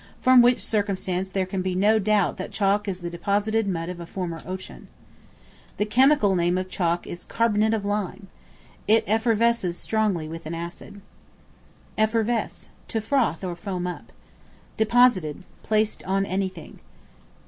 from which circumstance there can be no doubt that chalk is the deposited mud of a former ocean. The chemical name of chalk is carbonate of lime. It effervesces strongly with an acid. Effervesce, to froth or foam up. Deposited, placed on anything.